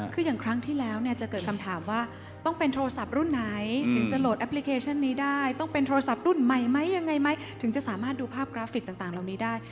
คืออย่างครั้งที่แล้วเนี่ยจะเกิดคำถามว่าต้องเป็นโทรศัพท์รุ่นไหนถึงจะโหลดแอปพลิเคชันนี้ได้ต้องเป็นโทรศัพท์รุ่นใหม่ไหมยังไงไหมถึงจะสามารถดูภาพกราฟิกต่างเหล่านี้ได้